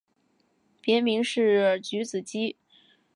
别名是菊子姬。